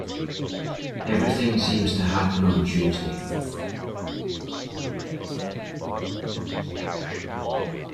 Everything seems to happen on Tuesday.